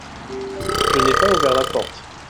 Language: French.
Je n'ai pas ouvert la porte ?